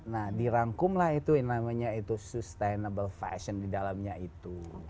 nah dirangkumlah itu yang namanya itu sustainable fashion di dalamnya itu